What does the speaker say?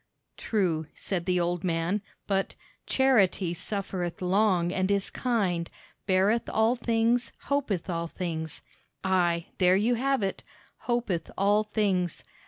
"True," said the old man; "but 'charity suffereth long and is kind; beareth all things, hopeth all things.' Ay, there you have it; 'hopeth all things'!